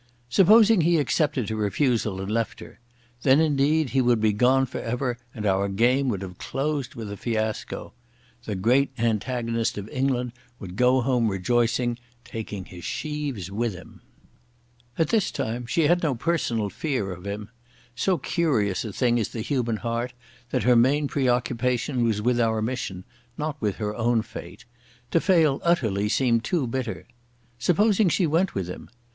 Supposing he accepted her refusal and left her. Then indeed he would be gone for ever and our game would have closed with a fiasco. The great antagonist of England would go home rejoicing, taking his sheaves with him. At this time she had no personal fear of him. So curious a thing is the human heart that her main preoccupation was with our mission, not with her own fate. To fail utterly seemed too bitter. Supposing she went with him.